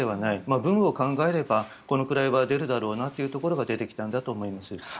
分母を考えれば、これくらいは出るだろうなというところが出てきたんだと思います。